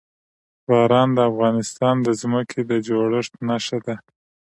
باران د افغانستان د ځمکې د جوړښت نښه ده.